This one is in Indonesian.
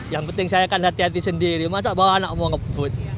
yang penting saya akan hati hati sendiri masa bawa anak mau ngebut